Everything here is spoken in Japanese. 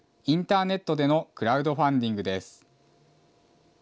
インターネットでのクラウドファンディングです。